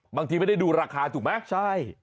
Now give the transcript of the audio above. บางทีไม่ได้ดูราคาถูกไหมใช่